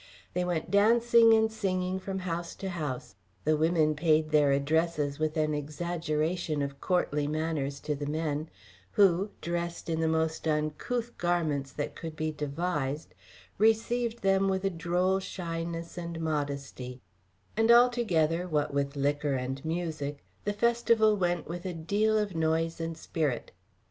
They went dancing and singing from house to house; the women paid their addresses with an exaggeration of courtly manners to the men, who, dressed in the most uncouth garments that could be devised, received them with a droll shyness and modesty, and altogether, what with liquor and music, the festival went with a deal of noise and spirit.